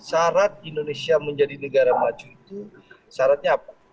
sarat indonesia menjadi negara maju itu saratnya apa